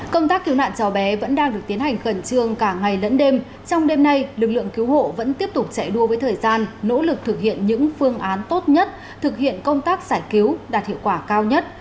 công tác cứu nạn chó bé vẫn đang được tiến hành khẩn trương cả ngày lẫn đêm trong đêm nay lực lượng cứu hộ vẫn tiếp tục chạy đua với thời gian nỗ lực thực hiện những phương án tốt nhất thực hiện công tác giải cứu đạt hiệu quả cao nhất